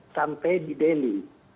sampai di delhi